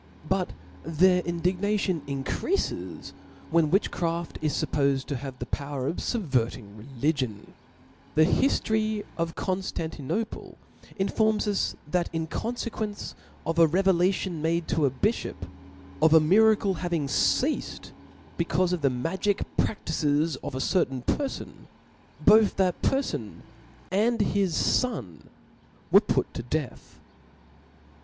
But their indignation increafes, when witchcraft is fuppofed to have a power of fubverting religion. The hiftory of Conftantinople (^) informs us, that (i) Hif^oiy in confequence of a revelation made to a biihop ^^^^^*^"^' of a miracle's having ccafed becaufe of the magic Maurite praflices of a certain perfon, both that perfon and ^L/^^^J^ liis fon was put to death.